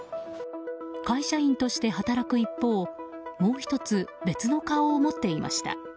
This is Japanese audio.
会社員として働く一方もう１つ別の顔を持っていました。